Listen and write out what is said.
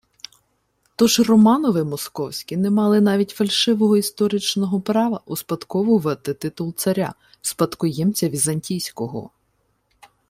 Тож Романови московські не мали навіть фальшивого історичного права успадковувати титул царя – спадкоємця візантійського